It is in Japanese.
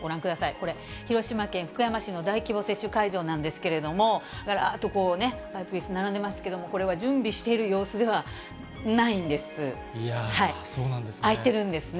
これ、広島県福山市の大規模接種会場なんですけれども、がらーっと、パイプいす、並んでますけど、これは準備している様いやぁ、そうなんですね。